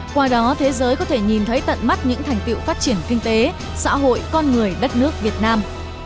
qua đó thế giới có thể nhìn thấy tận mắt những thành tiệu phát triển kinh tế xã hội con người đất nước việt nam